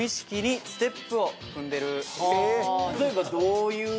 例えばどういう？